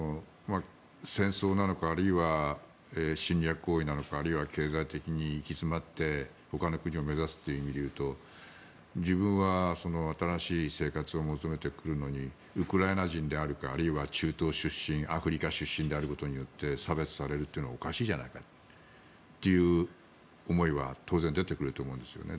戦争なのかあるいは侵略行為なのかあるいは経済的に行き詰まってほかの国を目指すという理由と自分は新しい生活を求めて来るのにウクライナ人であるかあるいは中東出身アフリカ出身であることによって差別されるというのはおかしいじゃないかという思いは当然出てくると思うんですよね。